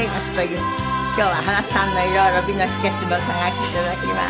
今日は原さんの色々美の秘訣も伺わせて頂きます。